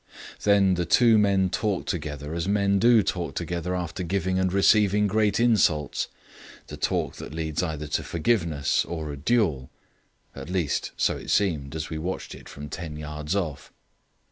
Then the two men talked together as men do talk together after giving and receiving great insults, the talk which leads either to forgiveness or a duel at least so it seemed as we watched it from ten yards off.